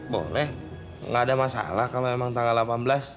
boleh nggak ada masalah kalau memang tanggal delapan belas